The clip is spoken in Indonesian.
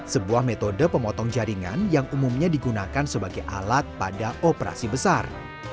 sebuah metode pemotong jaringan yang umumnya digunakan sebagai alat pada operasi besar